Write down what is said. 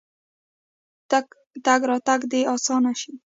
تګ راتګ دې اسانه شي.